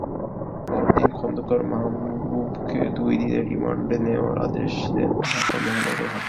পরদিন খন্দকার মাহবুবকে দুই দিনের রিমান্ডে নেওয়ার আদেশ দেন ঢাকার মহানগর হাকিম।